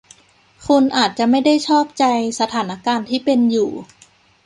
คุณอาจจะไม่ได้ชอบใจสถานการณ์ที่เป็นอยู่